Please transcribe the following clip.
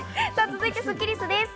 続いてスッキりすです。